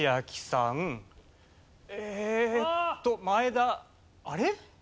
えーっと前田あれ？